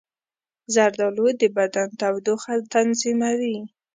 زردالو د بدن تودوخه تنظیموي.